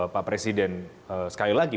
pak presiden sekali lagi